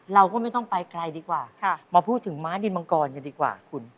เราก็ไม่ต้องไปไกลดีกว่ามาพูดถึงม้าดินมังกรกันดีกว่าคุณ